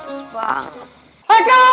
ustaz lu sana bencana